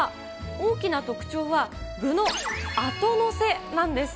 大きな特徴は、具のあとのせなんです。